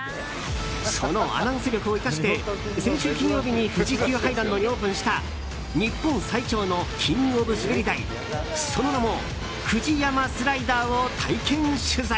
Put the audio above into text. そのアナウンス力を生かして先週金曜日に富士急ハイランドにオープンした日本最長のキング・オブ・滑り台その名もＦＵＪＩＹＡＭＡスライダーを体験取材。